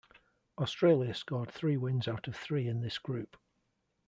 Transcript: Australia scored three wins out of three in this group.